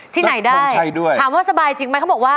ที่ไหนได้คงใช่ด้วย